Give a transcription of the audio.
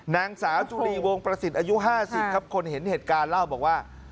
นางสาวจุลีวงประสิทธิ์อายุ๕๐ครับคนเห็นเหตุการณ์เล่าบอกว่า